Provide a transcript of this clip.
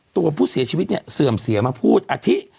ตัวผู้เสียชีวิตเนี่ยเสื่อมเสียมาพูดอาทิ